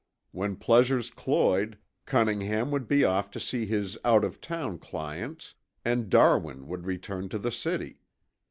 When pleasures cloyed, Cunningham would be off to see his out of town clients and Darwin would return to the city.